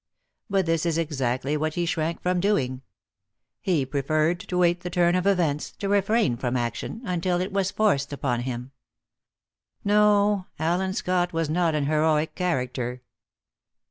But this is exactly what he shrank from doing. He preferred to wait the turn of events, to refrain from action, until it was forced upon him. No; Allen Scott was not an heroic character.